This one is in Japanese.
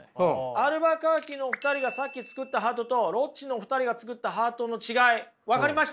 アルバカーキのお二人がさっき作ったハートとロッチのお二人が作ったハートの違い分かりましたね？